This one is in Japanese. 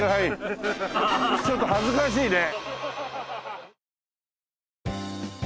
ちょっと恥ずかしいね。